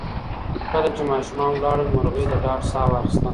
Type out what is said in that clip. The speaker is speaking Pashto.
کله چې ماشومان لاړل، مرغۍ د ډاډ ساه واخیسته.